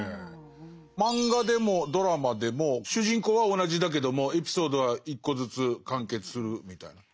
漫画でもドラマでも主人公は同じだけどもエピソードは一個ずつ完結するみたいな。